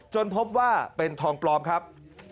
พบว่าเป็นทองปลอมครับ